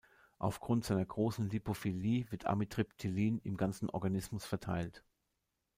Auf Grund seiner großen Lipophilie wird Amitriptylin im ganzen Organismus verteilt.